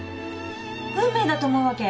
運命だと思うわけ。